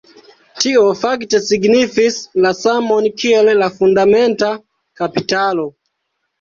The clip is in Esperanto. Tio fakte signifis la samon kiel la fundamenta kapitalo.